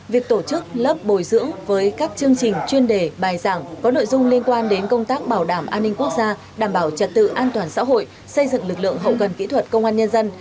việc tổ chức lớp bồi dưỡng với các chương trình chuyên đề bài giảng có nội dung liên quan đến công tác bảo đảm an ninh quốc gia đảm bảo trật tự an toàn xã hội xây dựng lực lượng hậu cần kỹ thuật công an nhân dân